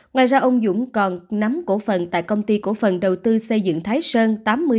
ngoài ra ông dũng còn nắm cổ phần tại công ty cổ phần đầu tư xây dựng thái sơn tám mươi